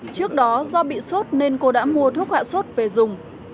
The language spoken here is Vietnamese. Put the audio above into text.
trước đó do bị sốt nên cô đã mua thuốc hạ sốt về dùng